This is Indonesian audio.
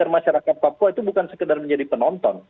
masyarakat papua itu bukan sekedar menjadi penonton